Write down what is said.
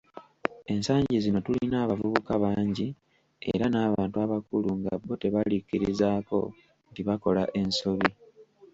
Ensangi zino tulina abavubuka bangi era n'abantu abakulu nga bo tebalikkirizzaako nti bakola ensobi.